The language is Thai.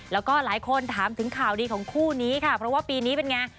แล้วก็หลายคนถามถึงข่าวดีของคู่นี้ค่ะเพราะว่าปีนี้เป็นไง